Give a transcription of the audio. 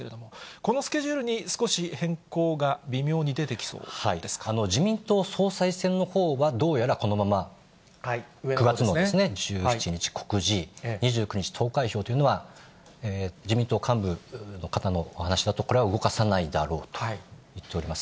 このスケジュールに少し変更が、自民党総裁選のほうはどうやらこのまま、９月の１７日告示、２９日投開票というのは、自民党幹部の方のお話だと、これは動かさないだろうと言っております。